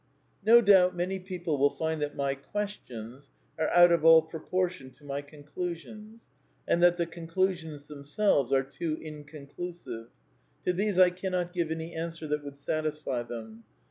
No doubt many people will find that my " Questions " are out of all proportion to my " Conclusions," and that the Conclusions themselves are too inconclusive. To these I cannot give any answer that would satisfy them.